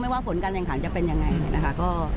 ไม่ว่าผลการแห่งขังจะเป็นอย่างไรนะคะ